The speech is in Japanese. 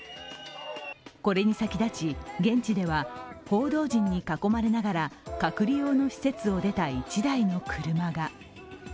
これに先立ち現地では報道陣に囲まれながら隔離用の施設を出た１台の車が。